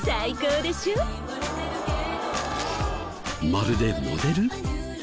まるでモデル？